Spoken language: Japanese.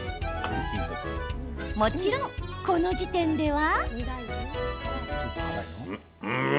もちろん、この時点では。